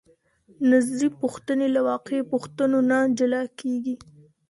نظري پوښتنې له واقعي پوښتنو نه جلا کیږي.